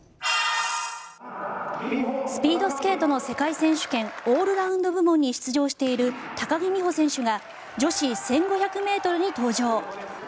スピードスケートの世界選手権オールラウンド部門に出場している高木美帆選手が女子１５００ｍに登場。